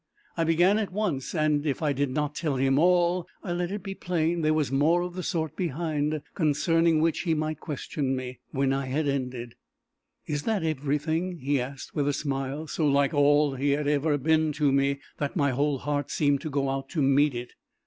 I began at once, and if I did not tell him all, I let it be plain there was more of the sort behind, concerning which he might question me. When I had ended, "Is that everything?" he asked, with a smile so like all he had ever been to me, that my whole heart seemed to go out to meet it.